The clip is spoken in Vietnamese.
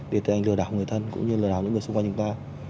để tự hành lừa đảo người thân cũng như lừa đảo những người xung quanh chúng ta